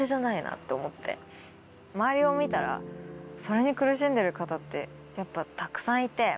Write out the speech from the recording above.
周りを見たらそれに苦しんでる方ってやっぱたくさんいて。